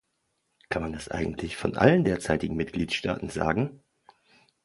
Kann man das eigentlich von allen derzeitigen Mitgliedstaaten sagen?